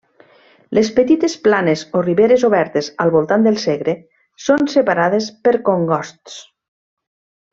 Les petites planes o riberes obertes al voltant del Segre són separades per congosts.